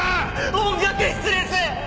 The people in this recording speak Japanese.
音楽室です！